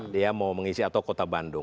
dia mau mengisi atau kota bandung